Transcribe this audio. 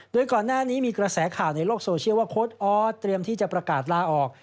โดยก่อนหน้านี้มีกระแสข่าวในโลกโซเชียลว่าโค้ดออสเตรียมที่จะประกาศลาออก